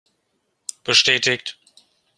Bestätigt!